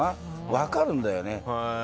分かるんだよな。